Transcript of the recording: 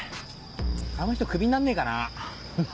あの人クビになんねえかな？